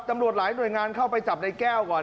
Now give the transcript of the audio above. ตำรวจหลายหน่วยงานเข้าไปจับในแก้วก่อน